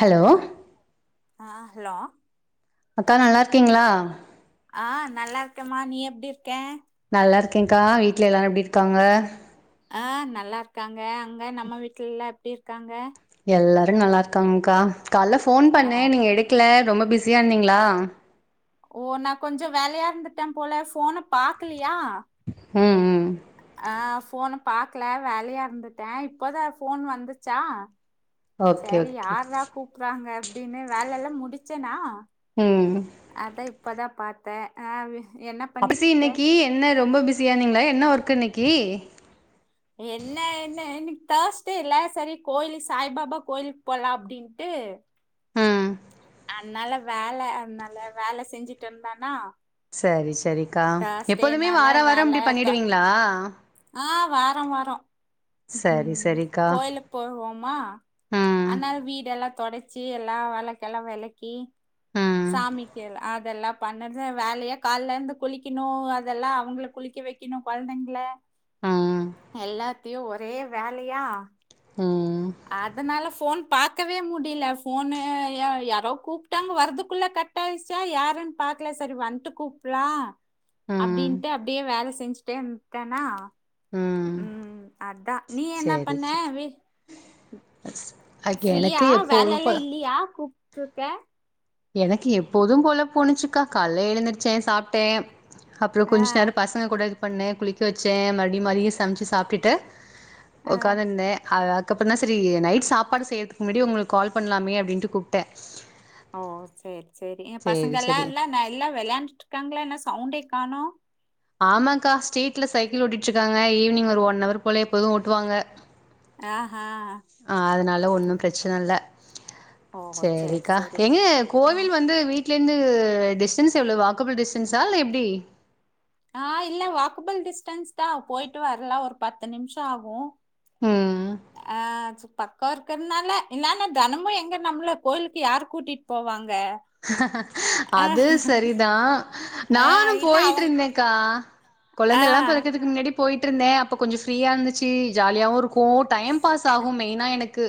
Hello ஆ hello அக்கா நல்லா இருக்கீங்களா ஆ நல்லா இருக்கேம்மா நீ எப்புடி இருக்க நல்லா இருக்காங்கா வீட்டுல எல்லாரு எப்புடி இருக்காங்க ஆ நல்லா இருக்காங்க அங்க நம்ம வீட்டுலல்லா எப்புடி இருக்காங்க எல்லாரு நல்லா இருக்காங்க்கா காலையில ஃபோன் ஆ பண்ணே நீங்க எடுக்கல ரொம்ப பிஸியா இருந்தீங்களா ஓ நா கொஞ்ச வேலையா இருந்துட்டே போல ஃபோன பாக்கலயா ம் ம் ஆஹ் ஃபோனை பாக்கல வேலையா இருந்துட்டே இப்போ தா ஃபோன் வந்துச்சா ஓகே சரி ஓகே யாரா கூப்பறாங்க அப்புடின்னு வேலை எல்லா முடிச்சேனா ம் அதா இப்பதா பாத்தே ஆ என்ன அப்பசி பண்ணிட்ருக்க இன்னைக்கு என்ன ரொம்ப பிஸியாானீங்களா என்ன ஒர்க் இன்னைக்கு என்ன என்ன இன்னைக்கு தேர்ஸ்டே எல்ல சரி கோயிலு சாய் பாபா கோயிலுக்கு போலா அப்புடின்ட்டு ம் அதனால வேலை அதனால வேலை செஞ்சுட்டு இருந்தானா சரி சரிக்கா எப்போதுமே தேர்ஸ்டேனால வாரே வாரே வேல இப்புடி தொ பண்ணிடுவீங்களா ஆ வாரா வாரா சரி ம் சரிக்கா கோயிலு போ வோமா ம் ஆனா வீடெல்லா தொடடைச்சி எல்லா வெளக்கெல்லா விளக்கி ம் சாமிக்கு அதெல்லா பண்ணது வேலையா காலல இருந்து குளிக்கணு அத எல்லா அவுங்கள குளிக்க வைக் என்ன கொழந்தைங்கள ஹ எல்லாத்தையு ஒரே வேலையா ம் அதனால போன் பாக்கவே முடியல போனு யாரோ கூப்பிட்டாங்க வரதுக்குள்ள கட் கட்டாயச்சா யாருன்னு பாக்கல சேரி வந்துட்டு கூப்பலா ம் அப்டின்ட்டு அப்டியே வேலை செஞ்சுட்டே இருந்துட்டேன்னா ம் அதா நீ என்ன சரி பண்ண சரி அக் ஃப்ரீயா எனக்கு வேலை எப்போதும் எல்லா போல இல்லையா கூப்பிட்டுருக்கே எனக்கு எப்போது போல போணுச்சுக்கா கல எழுந்திருச்சே சாப்பட்டே அப்றோ ஆ கொஞ்சோ நேரம் பச கூட இது பண்ணே குளிக்க வச்சே மறுபடி மதிய சமைச்சு சாப்பிட்டு ஆ உக்காந்துருதே அத அதுக்கப்புற தா சேரி நைட் சாப்பாடு செய்றதுக்கு முன்னாடி உங்களுக்கு கால் பண்ணலாமே அப்டின்ட்டு கூப்பிட்டே ஓ சேரி சேரி என் பசங்க எல்லா இல்லா எல்லா விளையாண்டுட்டு இருக்காங்களா என்னா சவுண்டே காணோ ஆமாக்கா ஸ்ரீட்ல சைக்கிள் ஓட்டு இருக்காங்க ஈவினிங் ஒரு ஒன் ஹவர் போல எப்போது ஓட்டுவாங்க ஆஹ ஆஹ் அதனால ஒன்னு பிரச்சனை இல்ல ஓ சேரி சேரிக்கா சேரி எங்க ஆ கோவில் வந்து வீட்டு வீட்ல இருந்து டிஸ்டன்ஸ் எவ்ளோ வாக்கபிள் டிஸ்டன்ஸா இல்ல எப்படி ஆஹ் இல்ல வாக்குபிள் டிஸ்டன்ஸ் தா போயிட்டு வரலா ஒரு பத்து நிமிஷ ஆகும் ம் ஆ சொல் பக்கம் இருக்கிறதுனால இல்லன்னா தனமு எங்க நம்மள கோயிலுக்கு யார்ரு கூட்டிட்டு போவாங்க ஆ அது சேரிதா ஆ நானு இல்ல போய்ட்டு அவங்க இருந்தேக்கா ஆ குழந்தெல்லா பொறக்கறதுக்கு முன்னாடி போயிட்டு இருந்தே அப்ப கொஞ்சோ ஃப்ரீயா இருந்துச்சு ஜாலியாவு இருக்கு டைம் பாஸ் ஆகும் மெய்னா எனக்கு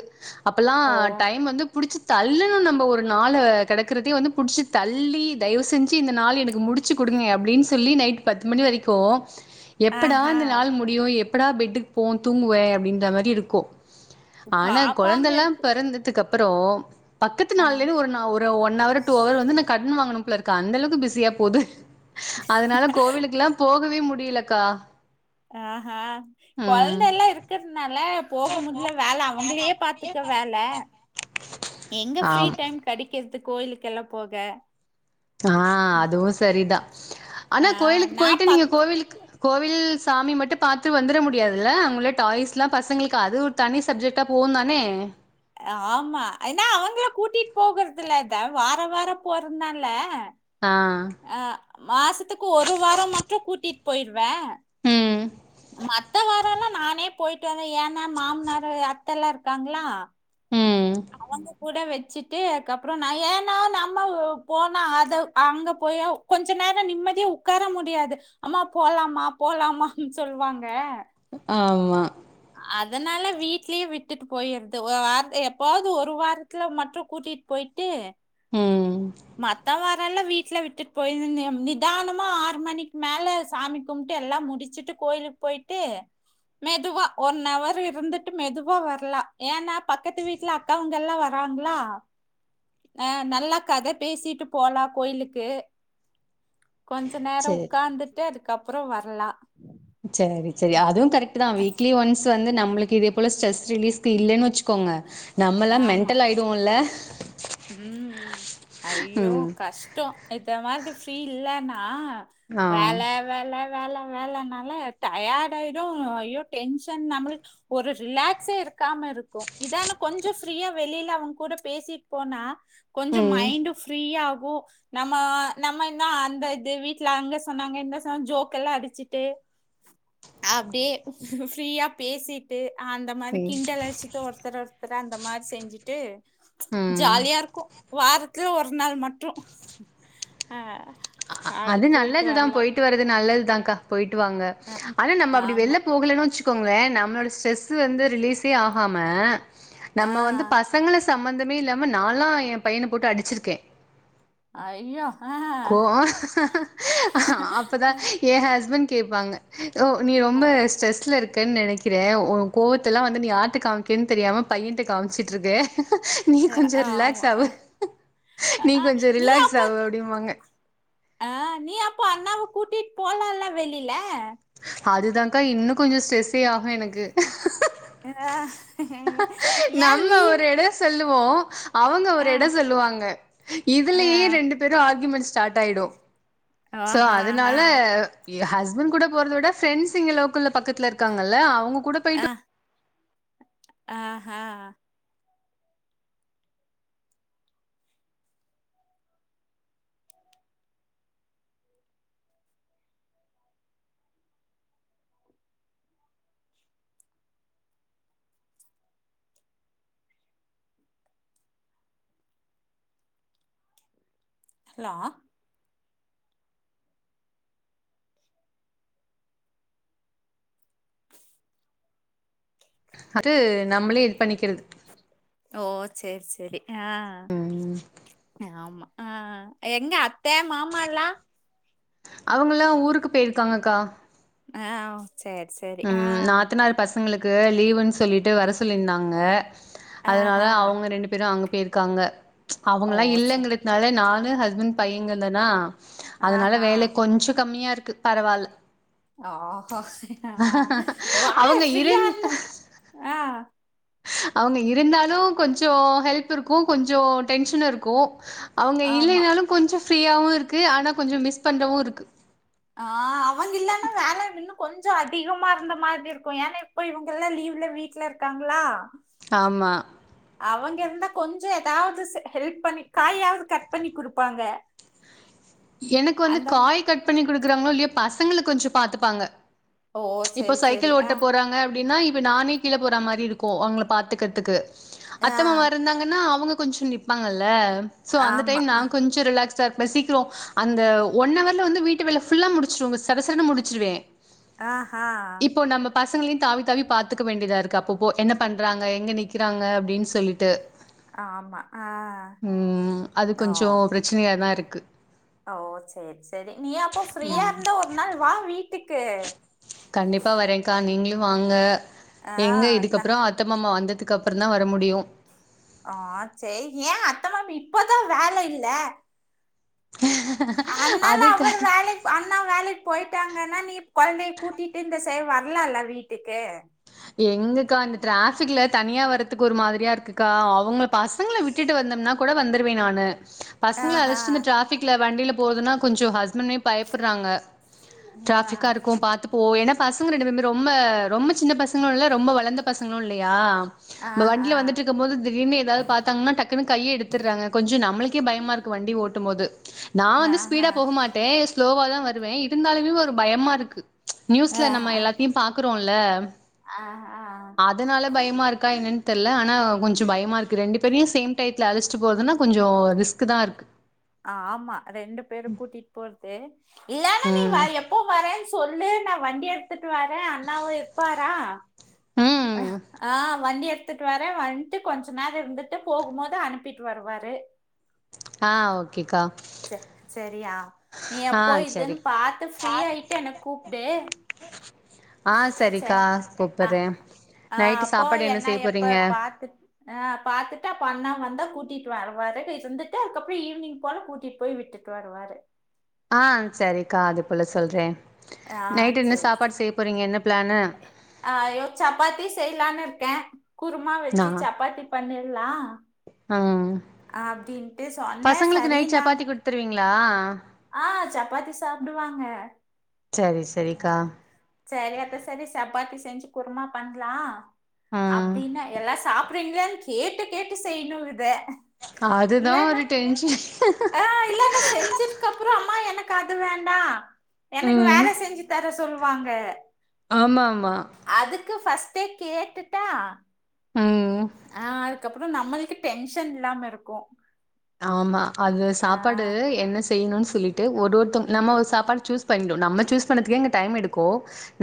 அப்ல்லா ஓ! டைம் வந்து புடிச்சி தள்ளணு நம்ம ஒரு நாள கிடக்கறதையே வந்து பிடிச்சி தள்ளி தயவு செஞ்சு இந்த நாள் எனக்கு முடிச்சு கொடுங்க அப்டின்னு சொல்லி நைட் பத்து மணி வரைக்கு எப்படா ஆஹா! இந்த நாள் முடியு எப்படா பெட்டுக்கு போவோ தூங்குவே அப்டின்ற மாரி இருக்கு ஆனா பாப்பாங்க குழந்தைல்லா இருக்கு. பொறந்ததுக்கு அப்றோ பக்கத்து ஆ நாள்ல ஒரு அவர் டூ அவர் வந்து நா கடன் வாங்கினும்னுல இருக்க அந்தளவுக்கு பிஸியா போது அதனால கோவிலுக்ககெல்லா போகவே முடியலக்கா ஆஹ் ஹ ம் குழந்த எல்லா இருக்கிறதுனால போகும் முடில வேல அவங்களே பாத்துக்கா வேல எங்க ஃப்ரீ ஆம் டைம் படிக்கிறதோகோ கோயிலுக்கெல்லா போக ஆஹ் அதுவு சேரிதா ஆ ஆனா கோவிலுக்கு நான் போயிட்டு நீங்க பக் கோவிலுக்கு கோவில் சாமி மட்டு பாத்துட்டு வந்துட முடியாது ல அவங்கள்ள டாய்ஸ் எல்லா பசங்களுக்கு அது தனி சப்ஜெக்டா போகு தானே ஆமா ஏன்னா அவங்கள கூட்டிட்டு போகறதுலா வாரம் வாரம் போறந்தான்ல ஆஹ் ஆஹ் மாசத்துக்கு ஒரு வாரம் மட்டு கூட்டிட்டு போயிடுவே ம் மத்த வாரம் எல்லா நானே போயிட்டு வந்தே ஏன்ன மாமனார் அத்த எல்லா இருக்காங்களா ம் அவங்க கூட வச்சுட்டு அதுக்கப்றோ நா ஏனா நம்ம போனா அத அங்க போயா கொஞ்ச நேரோ நிம்மதியா உக்கார முடியாது அம்மா போலாமா போலாமான் சொல்வாங்க ஆமா அதனால வீட்லே விட்டுட்டு போயிர்றது ஓ வா எப்பாவது ஒரு வாரத்துல மட்டு கூட்டிட் போயிட்டு ம் மத்த வா நாள்ல வீட்ல விட்டுட்டு போயிருனே நிதானமா ஆறு மணிக்கு மேல சாமி கும்ட்டு எல்லா முடிச்சுட்டு கோயிலுக் போய்ட்டு மெதுவா ஒன்னவர் இருந்துட்டு மெதுவா வர்லா ஏன்னா பக்கத்து வீட்ல கவங்கல்லா வராங்களா ஆ நல்ல கத பேசிட்டு போலா கோயிலுக்கு கொஞ்ச நேரோ சேரி உக்காந்துட்டு அதுக் க்கப்றோ வர்லா சேரி சேரி அதுவு கரெக்ட்டு தா வீக்லி ஒன்ஸ் வந்து நம்ளுக்கு இதே போல ஸ்ட்ரெஸ் ரிலீஸ்க்கு இல்லைன்னு வச்சுக்கோங்க நம்மலா ஆமா மென்டல் ஆயிடுவோல ம் அய்யோ கஷ்சோ இத மாரி ஃப்ரீ இல்லன்னா ஆ வேல வேல வேல வேலனால டயர்ட்டு ஆயிடு ஐயோ டென்ஷன் நம்லு ஒரு ரிலாக்ஸே இருக்காம இருக்கு இதான கொஞ்சோ ஃப்ரீயா வெளில அவங்கூட பேசி போனா கொஞ்சோ ம் மைண்டு ஃப்ரீ ஆகு நம்ம நம்ம இந்தா அந்த இது வீட்ல அங்க சொன்னாங்க இங்க சொன்னா ஜோக் எல்லா அடிச்சிட்டு அப்டே ஃப்ரீயா பேசிட்டு அந்த அந்த மாரி ம் கிண்டலடிச்சிட்டு ஒருத்தர ஒருத்தர அந்த மாரி செஞ்சுட்டு ம் ஜாலியாருக்கு வாரத்துல ஒரு நாள் மட்டு அ அ அது நல்லது தா போயிட் ட்டு வரது நல்லதுதான்கா போயிட்டு வாங்க அ ஆனா நம்ம அப்டி ஆமா வெள்ல போகலனு வச் சிக்கோங்ளே நம்ளோட ஸ்ட்ரெஸ்சு வந்து ரிலீஸே ஆகாம ஆ நம்ம வந்து பச சங்கள சம்மந்தமே இல்லாம நானாலா ஏன் பையன போட்டு அடிச்சிருக்கே ஐயோ ஆ கோ அப்பதா ஏன் ஹஸ்பண்ட் கேப்பாங்க ஓ நீ ரொம்ப ஸ்ட்ரெஸ்ல இருக்கன் நெனைக் க்கிறே ஓ கோவத்துலா வந்து நீ யார்ட்ட காமிக்கறன் தெரியாம பையன்ட்ட காமிச்சுட்ருக்க நீ கொஞ்சோ ரிலாக்ஸ் ஆமா ஆவு நீ ஆ கொஞ்சோ நீ ரிலாக்ஸ் அப்போ ஆவு அப்டிம்பாங்க ஆ நீ அப்போ அண்ணாவ கூட்டிட் போலால வெளில அதுதாக்கா இன்னு கொஞ்சோ ஸ்ட்ரெஸ்ஸே ஆகு எனக்கு ர ஏ நம்ம லீவ் ஒரு எடோ சொல்லுவோ அவங்க ஒரு ஆ எடோ சொல்லுவாங்க ஆ இதுலுயே ரெண்டு பே பெரு ஆர்க்யூமென்ட் ஸ்டாட் ஆயிடு சோ ஆஹா அதுனால ஏ ஹஸ்பண்ட் கூட போறத விட ஃப்ரெண்ட்ஸ் இங்க லோக்கல்ல பக்கத்துல இருக்காங்கல்ல அவுங்க கூட ஆ போயிட்டு ஆ ஹ ஹலோ அது நம்ளே இது பண்ணிக்கிறது ஓ சேரி சேரி ஆ ம் ஆமா ஆ எங்க அத்த மாமால்லாம் அவங்கெல்லா ஊருக்கு போயிருக்காங்கா அ சேர் ம் நாத்தனாறு பசங்களுக்கு லீவுன் சொல்லிட்டு வர சொல்லியிருந்தாங்க அதனால ஆஹா அவுங்க ரெண்டு பேரு அங்க போயிருக்காங்க ஓ அவுங்களா சே இல்லங்கர்துனால நானு ஹஸ்பண்ட் பைய்ங்க தானா அதனால ஆஹா வேலே கொஞ்சோ கம்மியாருக்கு பரவால் ஆஹா அ ஒ ஆ அவங்க ஃபிரியா இரண் இல்ல அ அவுங்க இருந்தாலு கொஞ்சோ ஹெல்ப் இருக்கு கொஞ்சோ டென்ஷன் இருக்கோ அவுங்க ஆமா இல்லைனாலு கொஞ்சோ ஃப்ரீயாவுருக்கு ஆனா கொஞ்சோ மிஸ் பண்றவு இருக்கு ஆ அவங்க இல்லனா வேல இன்னு கொஞ்சோ அதிகமா இருந்த மாரி இருக்கோ ஏன்னா இப்ப இவங்க எல்லா லீவ்ல வீட்ல இருக்காங்ளா ஆமா அவங்க இருந்தா கொஞ்சோ ஏதாது ஹெல்ப் பண்ணி காயாது கட் பண்ணி குடுப்பாங்க எனக்கு வந்து அந்த காய் கட் பண்ணி குடுக்குறாங்களோ இல்லயா பசங்கள கொஞ்சோ பாத்துப்பாங்க ஓ இப்போ சேரி சேரி சைக்கிள் ஆ ஓட்ட போறாங்க அப்டின்னா இப்ப நானே கீழ போற மாரி இருக்கோ அவுங்கள பாத்துக்கற்துக்கு அத்த ஆ மாமா இருந்தாங்கன்னா அவுங்க கொஞ்சோ நிப்பாங்கல்ல சோ அந்த ஆமா டைம் நா ஆ கொஞ் சோ ரிலாக்ஸ்டா இருப்ப சீக்ரோ அந்த ஒன் ஹவர்ல வந்து வீட்டு வேல ஃபுல்லா முடிச்சுருவங்க சரசரனு முடிச்சிர்வே ஆஹா இப்போ நம்ம பசங்களையு தாவி தாவி பாத்துக்க வேண்டியதாருக்கு அப்போப் போ என்ன பண்றாங்க எங்க நிக்கிறாங்க அப்டின் சொல்லிட்டு ஆமா அ ஒ ஜினியாதாருக்கு ஓ சேர் செரி நீ அப்போ ஃப்ரீயாருந்தா ஒரு நாள் வா வீட்டுக்கு கண்டிப்பா வரேக்கா நீங்களு வாங்க ஆ எங்க நான் இதுக்கப்றோ த்த மாமா வந்ததுக்கு அப்றோந்தா வர முடியு ஆ செரி யே அத்த மாமா இப்பதா வேல இல்ல ஆன்னால அது க அவர் வேலைக் அண்ணா வேலைக் போயிட்டாங்கன்னா நீ கொழ்ந்தைய கூட்டிட்டு இந்த சைட் வர்லால வீட்டுக்கு எங்கக்கா இந்த டிராஃபிக்ல தனியா வரதுக்கு ஒரு மாரியா இருக்குக்கா அவுங்கள பசங்கள விட் டிட்டு வந்தோம்னா கொட வந்துருவே நானு பசங்கள ஆஹா அழச்சிட்டு ந்த டிராஃபிக்ல வண்டியில போறதுனா கொஞ்சோ ஹஸ்பண்ணே பயப்புட்றாங்க ஆ டிராஃபிக்கா இருக்கோம் பாத்து போ ஏன்னா பசங்க ரெண்டு ரொம்ப ரொம்ப ஜின்ன பசங்களு இல்ல ரொம்ப வளந்த பசங்களு இல்லயா நம்ப ஆஹா வண்டியில வந்துட்டு இருக்கும் போது திடீர்னு ஏதாது பாத்தாங்கனா டக்குனு கைய எடுத்துர்றாங்க கொஞ்சோ நம்ளுக்கே பயமா இருக் க்கு வண்டி ஓட்டும் போது நா வந்து ஆஹா ஸ்பீடா போக மாட்டே ஸ்லோவா தா வருவே இருந்தாலுமே ஒரு பயமாருக்கு நியூஸ்ல நம்ம எல்லாத்தியு பாக்றோல்ல அ அ அதனால பயமாகருக்கா என்னன் தெர்ல ஆனா கொஞ்சோ பயமாருக்கு ரெண்டு பேரையு சேம் டையத்துல அழச்சிட்டு போறதுன்னா கொஞ்சோ ரிஸ் குதாருக்கு ஆமா ரெண்டு பேரு கூட்டிட்டு போற்து இல்லனா நீங்க ம் எப்போ வரேன் சொல்லு நா வண்டி எட்த்துட்டு வரே அண்ணாவு இருப்பாரா அ ம் ஆ வண்டி எடுத் துட்டு வர வன்ட்டு கொஞ்சோ நேரோ இருந்துட்டு போகும்போது அனுப்பிட்டு வருவாரு ஆ ஓகேக்கா செர் செரியா நீ ஆ எப்போ சரி இதுன்னு பாத்து ஃப்ரீயாயிட்டு என்ன கூப்டு ஆ செரிக்கா ஆ கூப்பறே ஆ அப்போ என்னா எப்ப பாத்துட் ஆ பாத்துட்டு அப்ப அண்ணா வந்தா கூட்டிட்டு வருவாரு இருந்துட்டு அதுக்கப்றோ ஈவினிங் போல கூட் ட்டி போய் விட்டுட் வருவாரு ஆ செரிக்கா அது போல சொல்றே ஆ நைட்டு என்ன சரி சரி. சாப்பாடு செய்ய போறீங்க என்ன பிளானு ஐயோ சப்பாத்தி செய்லானு இருக்கே குருமா வெச்சு சப்பாத்தி பண்ணிர்லா ஆ அப்டின்ட்டு சொன்னே சரின்னாங்க த்ருவீங்களா ஆ சப்பாத்தி சாப்புடுவாங்க செரி செரிக்கா சேரி அப்ப செரி சப்பாத்தி செஞ்சு குருமா பண்லா ம் அப்டின்னு எல்லா சாப் பிடிங்களான் கேட்டு கேட்டு செய்யணு இத அதுதா இல்லனா ஒரு டென்ஷன் ஆ இல்லன்னா செஞ்சு துக்கப்புறோ அம்மா எனக்கு அது வேண்டா எனக்கு வேற ம் செஞ்சு தர சொல்வாங்க ஆமா ஆமா அதுக்கு ஃபர்ஸ்ட்டே கேட்டுட்டா ம் அ அதுக்கப்புறோ நம்மளுக்கு டென்ஷன் இல்லாமருக்கு ஆமா அது சாப்பாடு என்ன செய்யணுன் சொல்லிட்டு ஒருவொருத்தங் நம்மோ சாப்பாடு சூஸ் பண்ணிடோ நம்ம சூஸ் பண்ணதுக்கே இங்க டைம் எடுக் கு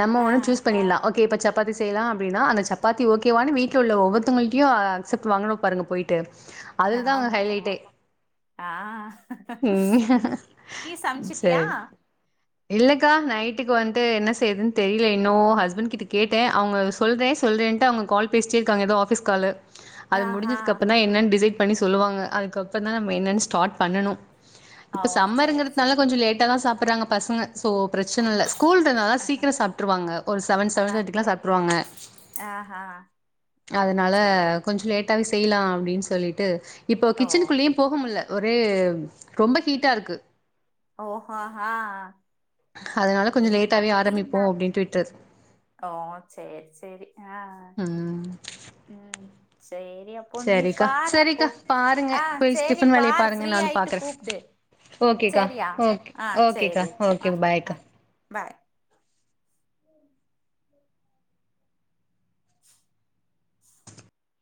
நம்ம ஆ ஒன்னு சூஸ் பண்ணிர்லா ஓக் கே இப்ப சப்பாத்தி செய்யலா அப்டினா அந்த சப்பாத்தி ஓகேவானு வீட்ல உள்ள ஒவ்வொருதவங்கள்டயு அக்செப்ட் வாங்குனுபாருங்க போயிட்டு அதுல தான் அங்க ஆமா ஹைலைட்டே. ஆ ம் நீ சமச்சிட்டியா சரி. இல்லக்கா நைட்டுக்கு வந்ட்டு என்ன செய்யுறதுன்னு தெரியல இன்னு ஹஸ்பண்ட் கிட்ட கேட்டே அவுங்க சொல்றே சொல்றேன்ட்டு அவுங்க கால் பேசிட்டேருக்காங்க ஏதோ ஆஃபிஸ் காலு அது ஆஹா. முடிஞ்சதுக்கு அப்புற தா என்னன்னு டிசைட் பண்ணி சொல்லுவாங்க அதுக்கப்புறோ தா நம்ம என்னன்னு ஸ்டார்ட் பண்ணனு ஓ! இப்ப சரி, சரி. சம்மங்கறதுனால கொஞ்சோ லேட்டா தா சாப்புர்றாங்க பசங்க சோ பிரச்சனல்ல ஸ்கூல்ட்டுனால ஆஹா. சீக்கிரோ சாப்ட்ருவாங்க ஒரு செவன் ஆ, செவன் தேர்டிக்லா சாப்ட்டுருவாங்க ஆஹா. அதனால சரி. கொஞ்சோ லேட்டாவே செய்யலா அப்டின் சொல்லிட்டு இப்போ ஓ! கிச்சனுக் கே போக முல்ல ஒரே ரொம்ப ஹீட்டாருக்கு ஓஹோ ஹா அதனால கொஞ்சோ லேட்டாவே ஆரமிப்போ நாள். அப்டின்னுட்டு விட்டர்து ஓ சேரி சேரி ஆ ம் ம் சேரி அப் போ நீ சரிக்கா பாருப்போ சரிக்கா பாருங்க ஆ போய் சேரி டிஃபன் வேலைய பாரு பாருங்க ஃப்ரீ நானு ஆயிட்டு பாக்குறே கூப்டு ஓகேக்கா சேரியா ஓகே ஆ ஓகேக்கா சேரி அப்போ ஆ ஓகே ஆ பாய்க்கா பாய்